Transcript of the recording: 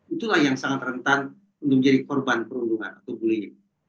itulah yang sangat rentan untuk menjadi korban perundungan atau bullying